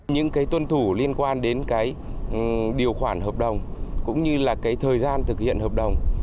những tuân thủ liên quan đến điều khoản hợp đồng cũng như thời gian thực hiện hợp đồng